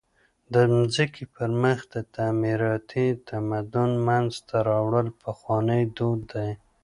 د مځکي پر مخ تعمیراتي تمدن منځ ته راوړل پخوانى دود دئ.